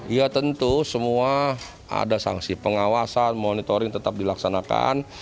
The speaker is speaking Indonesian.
ya tentu semua ada sanksi pengawasan monitoring tetap dilaksanakan